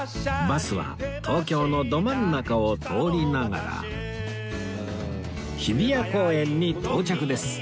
バスは東京のど真ん中を通りながら日比谷公園に到着です